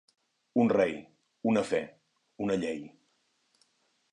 Un rei, una fe, una llei.